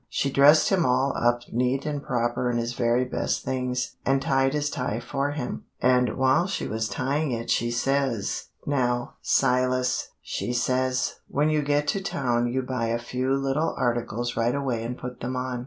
She dressed him all up neat and proper in his very best things, and tied his tie for him, and while she was tying it she says: "'Now, Silas,' she says, 'when you get to town you buy a few little articles right away and put them on.